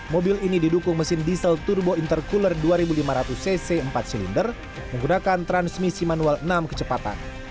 mobil ini didukung mesin diesel turbo interculer dua ribu lima ratus cc empat silinder menggunakan transmisi manual enam kecepatan